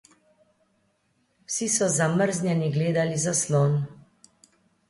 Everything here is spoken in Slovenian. Vsi so zamrznjeni gledali zaslon.